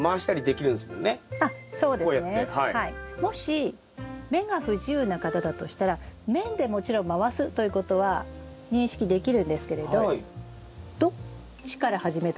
もし目が不自由な方だとしたら面でもちろん回すということは認識できるんですけれどどっちから始めたっけとか途中で分かんなくなりますよね。